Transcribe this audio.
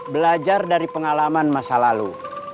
belajar dari pengalaman masa lalu